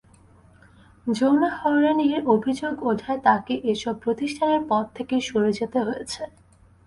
যৌন হয়রানির অভিযোগ ওঠায় তাঁকে এসব প্রতিষ্ঠানের পদ থেকে সরে যেতে হয়েছে।